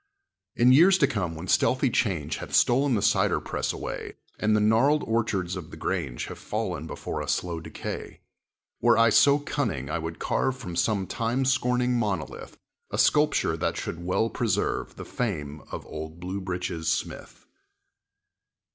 In years to come, when stealthy change Hath stolen the cider press away And the gnarled orchards of the grange Have fallen before a slow decay, Were I so cunning, I would carve From some time scorning monolith A sculpture that should well preserve The fame of old Bluebritches Smith.